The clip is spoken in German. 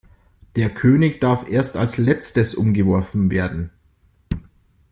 Der König darf erst als letztes umgeworfen werden.